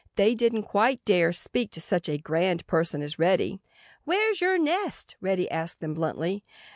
They didn't quite dare speak to such a grand person as Reddy. "Where's your nest?" Reddy asked them bluntly.